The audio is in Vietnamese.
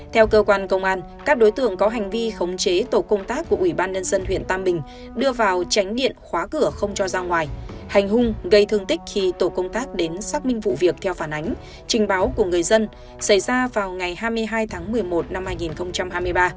theo cơ quan công an các đối tượng có hành vi khống chế tổ công tác của ủy ban nhân dân huyện tam bình đưa vào tránh điện khóa cửa không cho ra ngoài hành hung gây thương tích khi tổ công tác đến xác minh vụ việc theo phản ánh trình báo của người dân xảy ra vào ngày hai mươi hai tháng một mươi một năm hai nghìn hai mươi ba